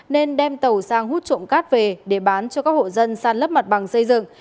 nên đem tàu sang hút trộm cát về để bán cho các hộ dân san lấp mặt bằng xây dựng